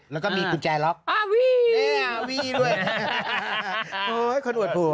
แล้วก็มีกุญแจล็อคอ่าวีแน่อ่าวีด้วยโอ้ยคนอวดผัว